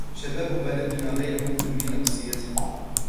شباب بلدنا غير مهتمين بالسياسة.